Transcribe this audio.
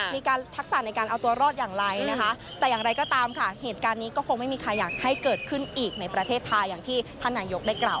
มีการทักษะในการเอาตัวรอดอย่างไรนะคะ